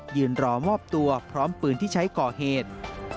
ยืนรอมอบตัวพร้อมปืนที่ใช้ก่อเหตุ